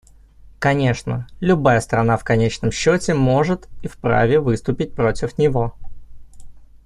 Конечно, любая страна в конечном счете может и вправе выступить против него.